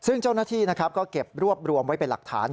ซึ่งเจ้าหน้าที่ก็เก็บรวบรวมไว้เป็นหลักฐาน